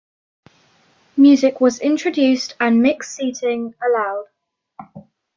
Music was introduced and mixed seating allowed.